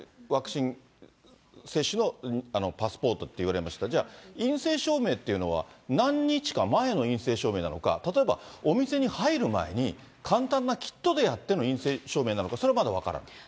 ワクチン接種のパスポートって言われました、じゃあ、陰性証明というのは何日か前の陰性証明なのか、例えばお店に入る前に簡単なキットでやっての陰性証明なのか、それはまだ分からない？